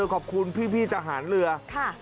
ที่มาช่วยลอกท่อที่ถนนหัวตะเข้เขตรักกะบังกรงเทพมหานคร